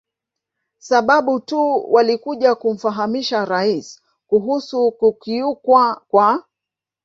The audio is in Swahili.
sababu tu walikuja kumfahamisha Rais kuhusu kukiukwa kwa